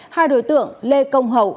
hai đối tượng lê công hậu